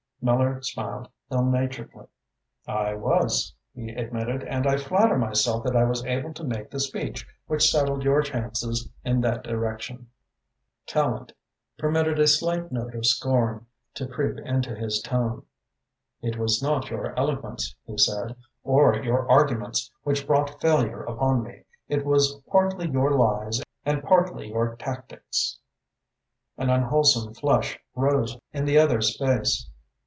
Miller smiled ill naturedly. "I was," he admitted, "and I flatter myself that I was able to make the speech which settled your chances in that direction." Tallente permitted a slight note of scorn to creep into his tone. "It was not your eloquence," he said, "or your arguments, which brought failure upon me. It was partly your lies and partly your tactics." An unwholesome flush rose in the other's face.